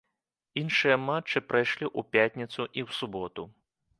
Іншыя матчы прайшлі ў пятніцу і ў суботу.